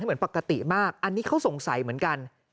เหมือนปกติมากอันนี้เขาสงสัยเหมือนกัน